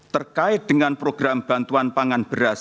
terkait dengan program bantuan pangan beras